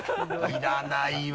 いらないわ！